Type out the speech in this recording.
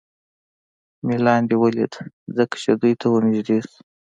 مې لاندې ولید، څنګه چې دوی ته ور نږدې شو.